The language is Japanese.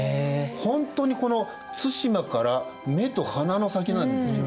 ほんとにこの対馬から目と鼻の先なんですよね。